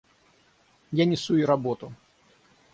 Я несу ей работу.